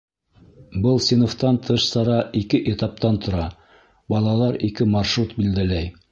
Был синыфтан тыш сара ике этаптан тора: Балалар ике маршрут билдәләй.